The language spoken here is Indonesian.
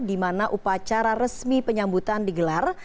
di mana upacara resmi penyambutan digelar